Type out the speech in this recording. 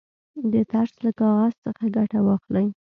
د ترس له کاغذ څخه ګټه واخلئ.